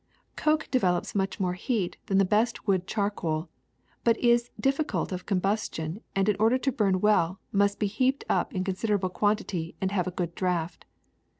Coke develops much more heat than the best wood charcoal, but is difficult of combustion and in order to burn well must be heaped up in con siderable quantity and have a good draft.